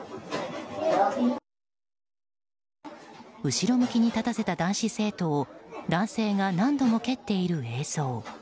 後ろ向きに立たせた男子生徒を男性が何度も蹴っている映像。